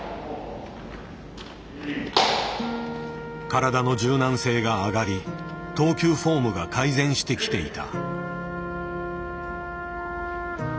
体の柔軟性が上がり投球フォームが改善してきていた。